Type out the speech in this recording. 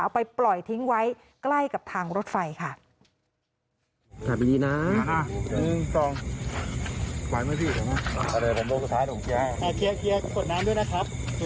ไปปล่อยทิ้งไว้ใกล้กับทางรถไฟค่ะ